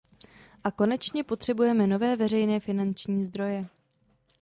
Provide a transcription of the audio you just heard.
A konečně potřebujeme nové veřejné finanční zdroje.